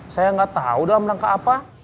saya nggak tahu dalam rangka apa